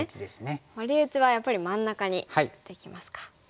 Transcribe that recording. ワリ打ちはやっぱり真ん中に打っていきますか。